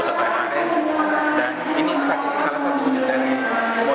toleransi yang terbangun di antara kita khususnya di kota parepare